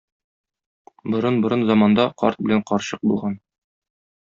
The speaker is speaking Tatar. Борын-борын заманда карт белән карчык булган.